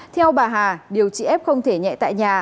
theo bà hà điều trị f không thể nhẹ tại nhà